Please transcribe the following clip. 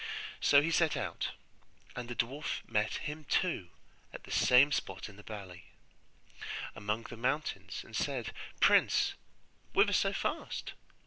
So he set out, and the dwarf met him too at the same spot in the valley, among the mountains, and said, 'Prince, whither so fast?